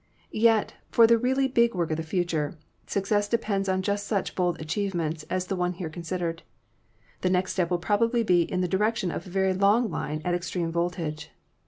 Yet, for the really big work of the future, success depends on just such bold achievements as the one here considered. The next step will probably be in the direction of a very long line at extreme voltage.